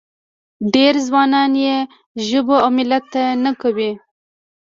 ډېر ځوانان یې ژبو او ملت ته نه کوي.